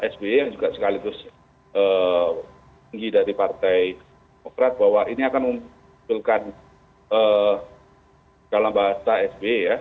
sbi yang juga sekali terus tinggi dari partai demokrat bahwa ini akan membutuhkan dalam bahasa sbi ya